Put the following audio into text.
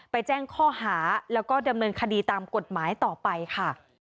แจ้งข้อหาแล้วก็ดำเนินคดีตามกฎหมายต่อไปค่ะ